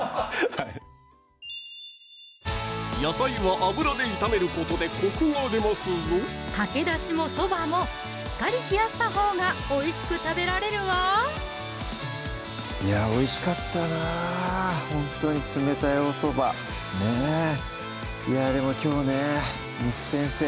はい野菜は油で炒めることでコクが出ますぞかけだしもそばもしっかり冷やしたほうがおいしく食べられるわいやおいしかったなほんとに冷たいおそばねぇでもきょうね簾先生